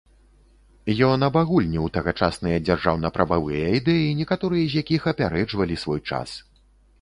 Ён абагульніў тагачасныя дзяржаўна-прававыя ідэі, некаторыя з якіх апярэджвалі свой час.